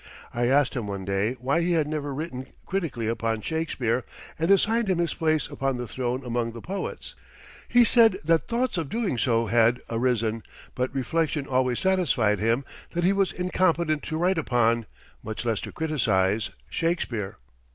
I asked him one day why he had never written critically upon Shakespeare and assigned him his place upon the throne among the poets. He said that thoughts of doing so had arisen, but reflection always satisfied him that he was incompetent to write upon, much less to criticize, Shakespeare.